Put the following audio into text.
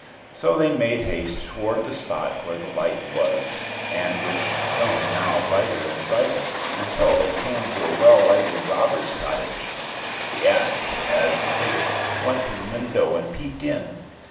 So they made haste toward the spot where the light was, and which shone now brighter and brighter, until they came to a well lighted robber's cottage. The ass, as the biggest, went to the window and peeped in.